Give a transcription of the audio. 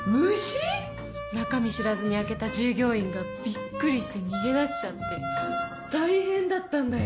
中身知らずに開けた従業員がびっくりして逃げ出しちゃって大変だったんだよ。